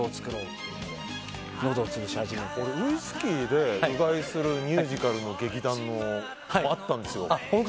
かつて、ウイスキーでうがいするミュージカルの劇団があったんですよ。